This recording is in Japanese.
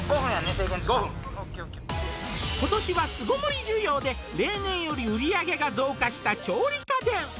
制限時間５分今年は巣ごもり需要で例年より売り上げが増加した調理家電